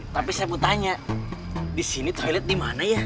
tapi saya mau tanya disini toilet dimana ya